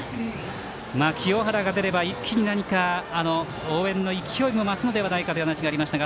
清原が出れば一気に何か応援の勢いも増すのではないかという話もありましたが